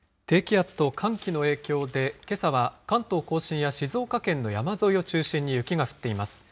低気圧と寒気の影響で、けさは関東甲信や静岡県の山沿いを中心に雪が降っています。